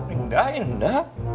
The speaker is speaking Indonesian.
enggak ya dinda